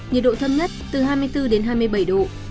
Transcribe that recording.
nhiệt độ thấp nhất từ hai mươi bốn đến hai mươi bảy độ